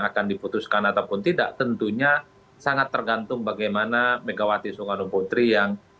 akan diputuskan ataupun tidak tentunya sangat tergantung bagaimana megawati soekarno putri yang